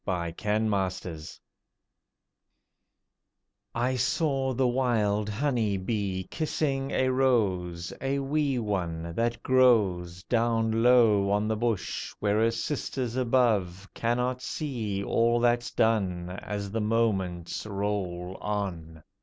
A REMINISCENCE I saw the wild honey bee kissing a rose A wee one, that grows Down low on the bush, where her sisters above Cannot see all that's done As the moments roll on.